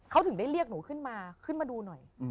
เขาถึงได้เรียกหนูขึ้นมาขึ้นมาดูหน่อย